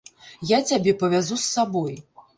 Я цябе павязу з сабой.